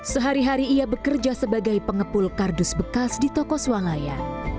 sehari hari ia bekerja sebagai pengepul kardus bekas di toko swalaya